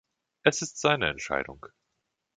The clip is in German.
Es ist seine Entscheidung.